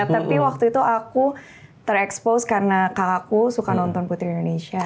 tapi waktu itu aku terekspos karena kakakku suka nonton putri indonesia